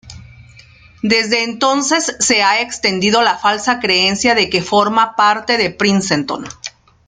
Desde entonces se ha extendido la falsa creencia de que forma parte de Princeton.